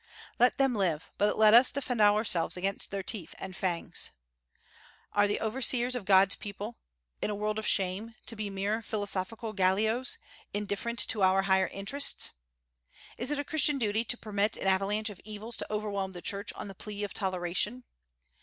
Let them live, but let us defend ourselves against their teeth and fangs. Are the overseers of God's people, in a world of shame, to be mere philosophical Gallios, indifferent to our higher interests? Is it a Christian duty to permit an avalanche of evils to overwhelm the Church on the plea of toleration?